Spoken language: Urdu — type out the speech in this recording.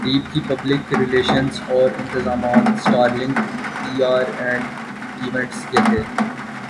تقریب کی پبلک ریلشنزاورانتظامات Star Link P R and events کے تھے